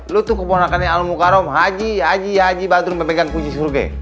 lo tuh keponakan yang alam mukaram haji haji haji batru pepekan kunci surge